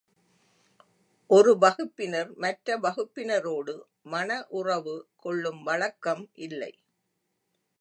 ஒரு வகுப்பினர் மற்ற வகுப்பினரோடு மண உறவு கொள்ளும் வழக்கம் இல்லை.